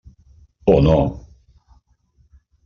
Oh, no.